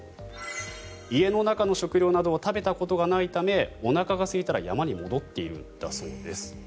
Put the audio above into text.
家の中の食料などを食べたことがないためおなかがすいたら山に戻っているんだそうです。